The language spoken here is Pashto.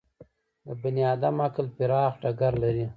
د بني ادم عقل پراخ ډګر لري.